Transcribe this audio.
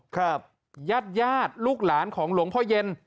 ครับญาติญาติลูกหลานของหลวงพ่อเย็น